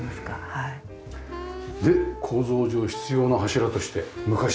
で構造上必要な柱として昔のものも。